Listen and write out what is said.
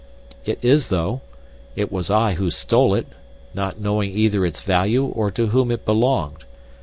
"It is, though. It was I who stole it, not knowing either its value or to whom it belonged.